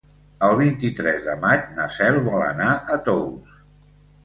El vint-i-tres de maig na Cel vol anar a Tous.